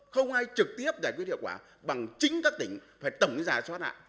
không ai trực tiếp giải quyết hiệu quả bằng chính các tỉnh phải tổng giả soát lại